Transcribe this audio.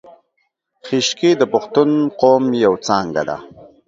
خیشکي د پښتون قوم یو څانګه ده